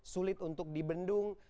sulit untuk dibendung